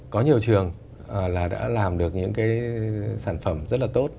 có nhiều trường là đã làm được những cái sản phẩm rất là tốt